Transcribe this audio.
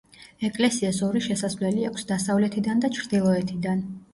ეკლესიას ორი შესასვლელი აქვს: დასავლეთიდან და ჩრდილოეთიდან.